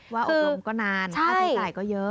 อบรมก็นานค่าใช้จ่ายก็เยอะ